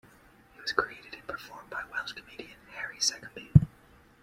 He was created and performed by Welsh comedian Harry Secombe.